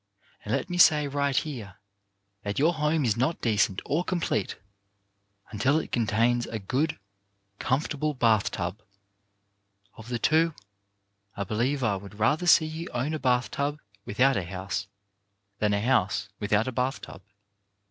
And let me say right here that your home is not decent or complete unless A PENNY SAVED 273 it contains a good, comfortable bath tub. Of the two, I believe I would rather see you own a bathtub without a house, than a house without a bathtub.